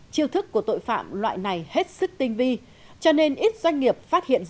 chiêu thức của tội phạm loại này hết sức tinh vi cho nên ít doanh nghiệp phát hiện